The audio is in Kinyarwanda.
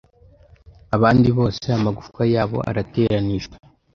Abandi bose amagufwa yabo arateranijwe